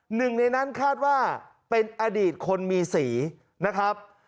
หนึ่งในนั้นคาดว่าเป็นอดีตคนมีสีนะครับ